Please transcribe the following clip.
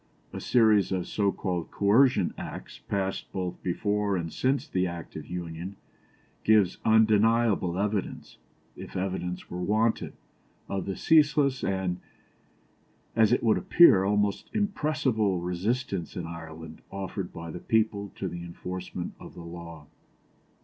A series of so called Coercion Acts, passed both before and since the Act of Union, give undeniable evidence, if evidence were wanted, of the ceaseless and, as it would appear, almost irrepressible resistance in Ireland offered by the people to the enforcement of the law.